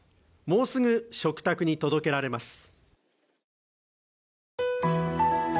もうすぐ食卓に届けられます。